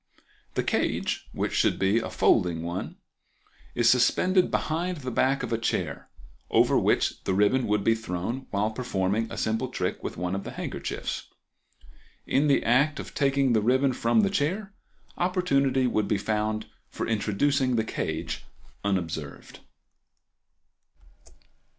The cage, which should be a folding one, is suspended behind the back of a chair, over which the ribbon would be thrown while performing a simple trick with one of the handkerchiefs. In the act of taking the ribbon from the chair opportunity would be found for introducing the cage unobserved.